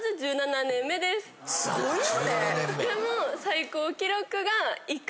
すごいよね。